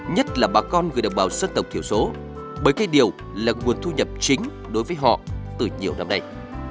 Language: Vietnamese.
nhất là bà con người đồng bào dân tộc thiểu số bởi cây điều là nguồn thu nhập chính đối với họ từ nhiều năm nay